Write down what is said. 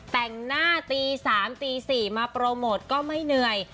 แต่งหน้าตี๓ตี๔มาโปรโมทก็ไม่เหนื่อย